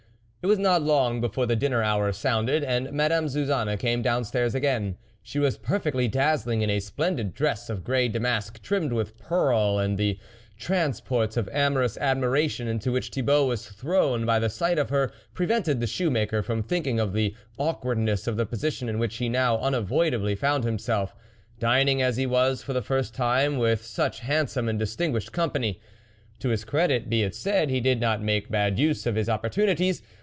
It was not long before the dinner hour sounded, and Madame Suzanne came down stairs again. She was perfectly dazzling in a splendid dress of grey damask trimmed with pearl, and the tran sports of amorous admiration into which Thibault was thrown by the sight of her prevented the shoe maker from thinking of the awkwardness of the position in which he now unavoidably found himself, dining as he was for the first time with such handsome and distinguished company. To his credit, be it said, he did not make bad use of his opportunities.